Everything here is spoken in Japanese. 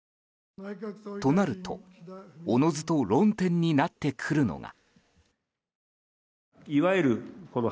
となると、おのずと論点になってくるのが。